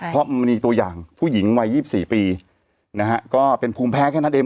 เพราะมันมีตัวอย่างผู้หญิงวัย๒๔ปีนะฮะก็เป็นภูมิแพ้แค่นั้นเอง